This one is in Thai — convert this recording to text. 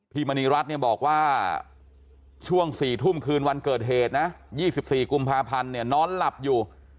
มณีรัฐเนี่ยบอกว่าช่วง๔ทุ่มคืนวันเกิดเหตุนะ๒๔กุมภาพันธ์เนี่ยนอนหลับอยู่